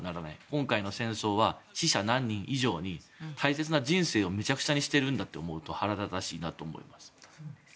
今回の戦争は死者何人以上に大切な人生をめちゃくちゃにしてるんだと思うと腹立たしいなと思います。